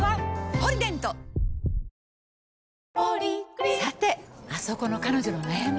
「ポリデント」「ポリグリップ」さてあそこの彼女の悩み。